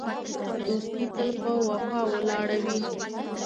دوستي تل په وفا ولاړه وي.